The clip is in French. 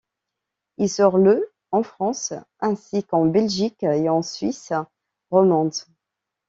Il sort le en France, ainsi qu’en Belgique et en Suisse romande.